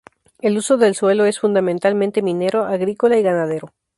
El uso del suelo es fundamentalmente minero, agrícola y ganadero.